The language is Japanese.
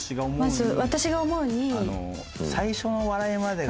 まず私が思うに。